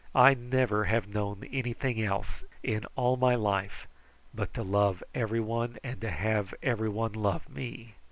"I never have known anything else, in all my life, but to love everyone and to have everyone love me.